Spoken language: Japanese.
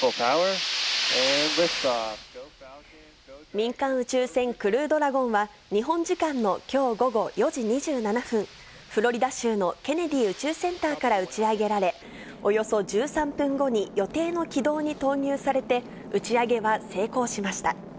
民間宇宙船クルードラゴンは日本時間のきょう午後４時２７分、フロリダ州のケネディ宇宙センターから打ち上げられ、およそ１３分後に予定の軌道に投入されて、打ち上げは成功しました。